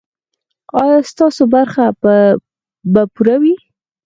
ایا ستاسو برخه به پوره وي؟